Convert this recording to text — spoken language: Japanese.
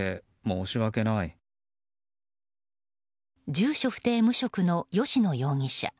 住所不定・無職の吉野容疑者。